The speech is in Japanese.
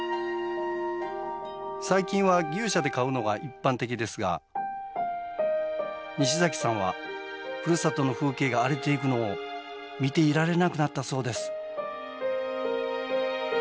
最近は牛舎で飼うのが一般的ですが西崎さんはふるさとの風景が荒れていくのを見ていられなくなったそうです。